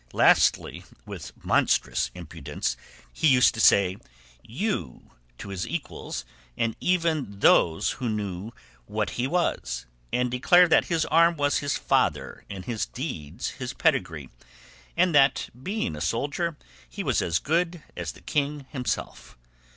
Lastly, with monstrous impudence he used to say "you" to his equals and even those who knew what he was, and declare that his arm was his father and his deeds his pedigree, and that being a soldier he was as good as the king himself.